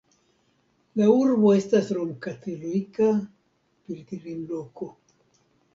La urbo estas romkatolika pilgrimloko.